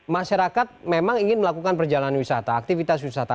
masyarakat memang ingin melakukan perjalanan wisata aktivitas wisata